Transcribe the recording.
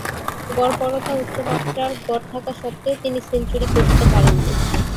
গড়পড়তা উচ্চমাত্রার গড় থাকা স্বত্ত্বেও তিনি সেঞ্চুরি করতে পারেননি।